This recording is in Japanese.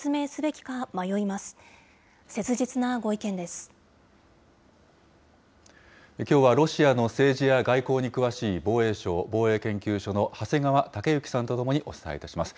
きょうはロシアの政治や外交に詳しい、防衛省防衛研究所の長谷川雄之さんと共にお伝えいたします。